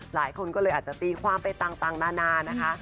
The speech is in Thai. หลายคนก็เลยอาจจะตีความไปต่างนานานะคะ